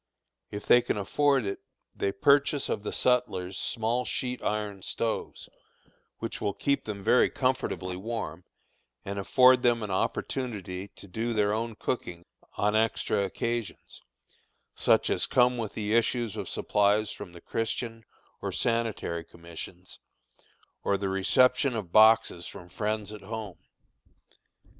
If they can afford it, they purchase of the sutlers small sheet iron stoves, which will keep them very comfortably warm, and afford them an opportunity to do their own cooking on extra occasions, such as come with the issues of supplies from the Christian or Sanitary Commissions, or the reception of boxes from friends at home.